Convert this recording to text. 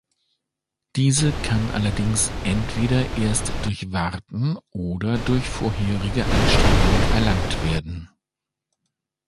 Diese kann allerdings entweder erst durch Warten oder durch vorherige Anstrengung erlangt werden.